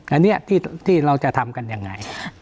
อันนี้ที่เราจะทำกันยังไง